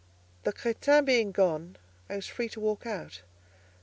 The crétin being gone, I was free to walk out.